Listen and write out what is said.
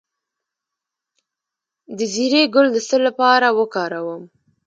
د زیرې ګل د څه لپاره وکاروم؟